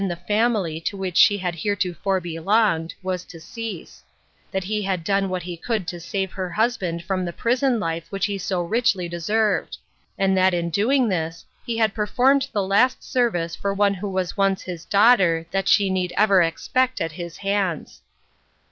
the family to which she had heretofore belonged, was to cease ; that he had done what he could to save her husband from the prison life which he so richly deserved ; and that in doing this, he had performed the last service for one who was once his daughter, that she need ever expect at his hands.